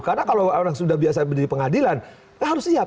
karena kalau orang sudah biasa berdiri pengadilan harus siap